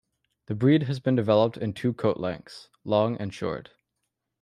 The breed has been developed in two coat lengths, long and short.